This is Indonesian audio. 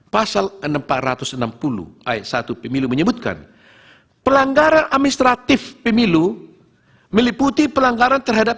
pasal enam ratus enam puluh ayat satu pemilu menyebutkan pelanggaran administratif pemilu meliputi pelanggaran terhadap